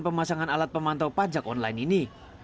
pemasangan alat pemantau pajak online ini